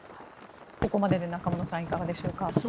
ここまでで中室さんいかがでしょうか。